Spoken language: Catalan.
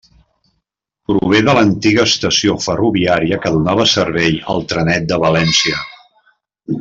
Prové de l'antiga estació ferroviària que donava servei al trenet de València.